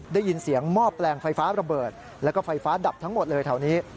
ได้ยินเสียงหม้อแปลงไฟฟ้าระเบิดแล้วก็ไฟฟ้าดับทั้งหมดเลยแถวนี้